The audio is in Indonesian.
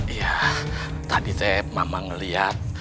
iya tadi teh mamang ngeliat